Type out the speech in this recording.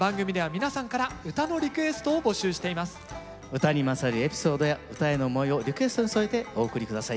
唄にまつわるエピソードや唄への思いをリクエストに添えてお送り下さい。